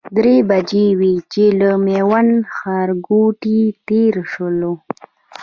درې بجې وې چې له میوند ښارګوټي تېر شولو.